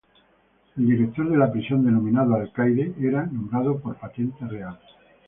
El director de la prisión, denominado "alcaide", era nombrado por patente real.